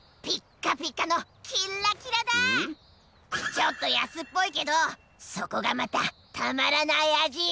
⁉ちょっとやすっぽいけどそこがまたたまらないあじ！